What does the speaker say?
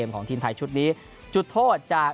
ของทีมไทยชุดนี้จุดโทษจาก